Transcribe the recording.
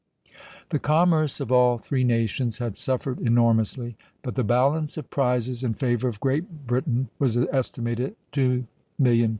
The commerce of all three nations had suffered enormously, but the balance of prizes in favor of Great Britain was estimated at £2,000,000.